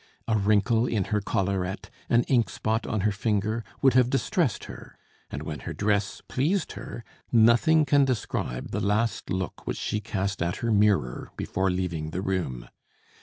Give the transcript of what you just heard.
A wrinkle in her collarette, an ink spot on her finger, would have distressed her; and, when her dress pleased her, nothing can describe the last look which she cast at her mirror before leaving the room.